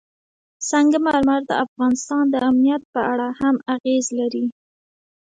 سنگ مرمر د افغانستان د امنیت په اړه هم اغېز لري.